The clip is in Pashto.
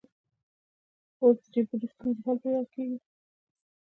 سړک د خدمت کولو وسیله ده.